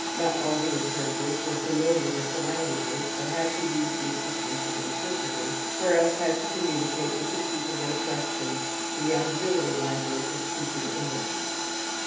Not all the observers were familiar with the languages but had to use the assistance of interpreters or else had to communicate with the people they questioned in the auxiliary language of pidgin Eng lish.